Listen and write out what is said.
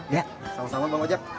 ya sama sama bang ojek